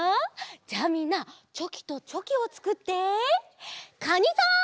じゃあみんなチョキとチョキをつくってカニさん！